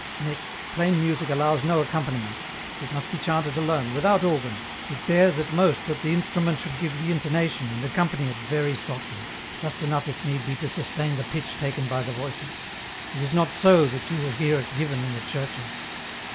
Next, plain music allows no accompaniment, it must be chanted alone, without organ, it bears at most that the instrument should give the intonation and accompany it very softly, just enough if need be to sustain the pitch taken by the voices ; it is not so that you will hear it given in the churches."